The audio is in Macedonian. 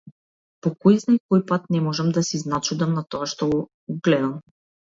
По којзнае кој пат не можам да се изначудам на тоа што го гледам.